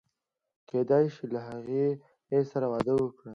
کېدای شي له هغې سره واده وکړم.